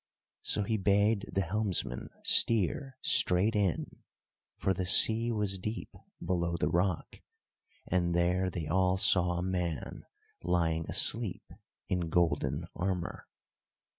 So he bade the helmsman steer straight in, for the sea was deep below the rock, and there they all saw a man lying asleep in golden armour.